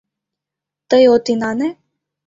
Тый от инане?